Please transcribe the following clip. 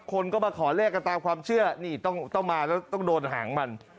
คนก็มาขอเลขกันตามความเชื่อนี่ต้องมาแล้วต้องโดนหางมัน